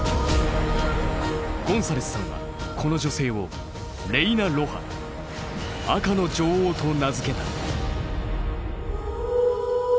ゴンサレスさんはこの女性をレイナ・ロハ赤の女王と名付けた。